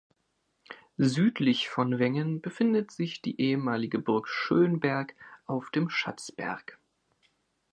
Südlich von Wengen befindet sich die ehemalige Burg Schönberg auf dem Schatzberg.